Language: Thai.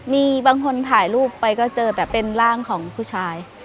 มีบางคนถ่ายรูปไปก็เจอแบบเป็นร่างของผู้ชาย